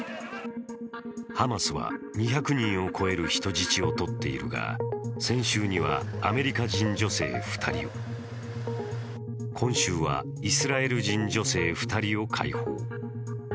ハマスは２００人を超える人質をとっているが、先週にはアメリカ人女性２人を今週はイスラエル人女性２人を解放。